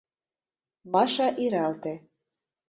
— Маша иралте.